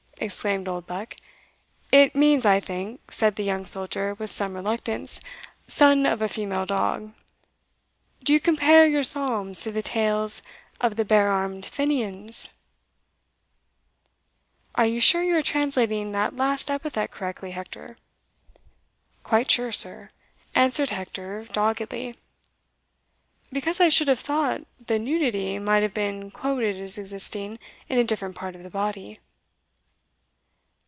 exclaimed Oldbuck. "It means, I think," said the young soldier, with some reluctance, "son of a female dog: Do you compare your psalms, To the tales of the bare arm'd Fenians" "Are you sure you are translating that last epithet correctly, Hector?" "Quite sure, sir," answered Hector, doggedly. "Because I should have thought the nudity might have been quoted as existing in a different part of the body."